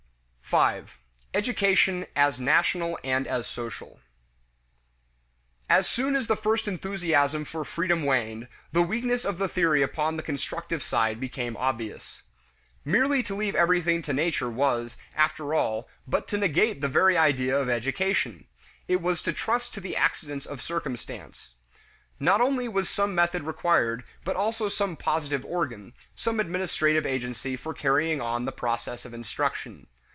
5. Education as National and as Social. As soon as the first enthusiasm for freedom waned, the weakness of the theory upon the constructive side became obvious. Merely to leave everything to nature was, after all, but to negate the very idea of education; it was to trust to the accidents of circumstance. Not only was some method required but also some positive organ, some administrative agency for carrying on the process of instruction.